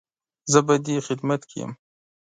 زه به دې خدمت کې يم